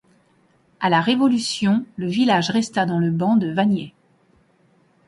À la Révolution, le village resta dans le ban de Vagney.